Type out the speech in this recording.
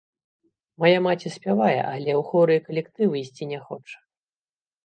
Мая маці спявае, але ў хоры і калектывы ісці не хоча.